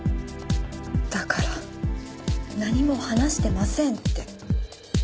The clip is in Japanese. だから何も話してませんって。